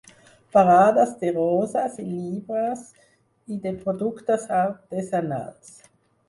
Parades de roses i llibres i de productes artesanals.